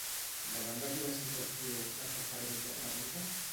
Davant de quina situació, es refereix la pregunta?